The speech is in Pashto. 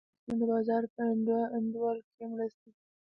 دا صنعتونه د بازار په انډول کې مرسته کوي.